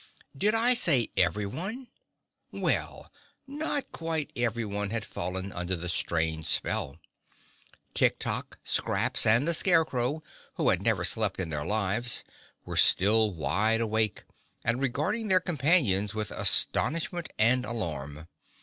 Did I say everyone? Well, not quite everyone had fallen under the strange spell. Tik Tok, Scraps, and the Scarecrow, who had never slept in their lives, were still wide awake, and regarding their companions with astonishment and alarm.